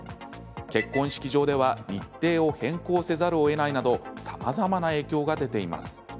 結婚式場では日程を変更せざるえないなどさまざまな影響が出ています。